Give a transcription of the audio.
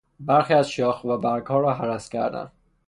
برخی از شاخ و برگها را هرس کردن